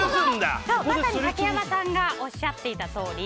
まさに竹山さんがおっしゃっていたとおり。